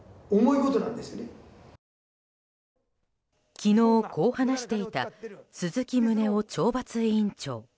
昨日、こう話していた鈴木宗男懲罰委員長。